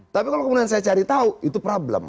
tapi kalau kemudian saya cari tahu itu problem